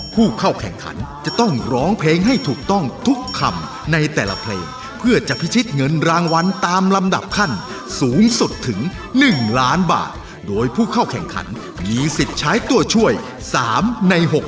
เพราะเสียดายมันดอกอายจาก